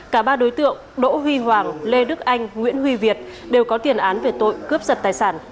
cả ba đối tượng đỗ huy hoàng lê đức anh nguyễn huy việt đều có tiền án về tội cướp giật tài sản